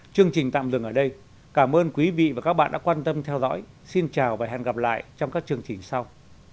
chương trình tạm dừng ở đây cảm ơn quý vị và các bạn đã quan tâm theo dõi xin chào và hẹn gặp lại trong các chương trình sau